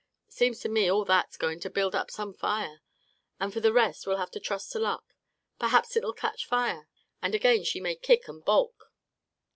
Seems to me all that's going to build up some fire. And as for the rest we'll have to trust to luck. Perhaps it'll catch fire, and again she may kick and balk."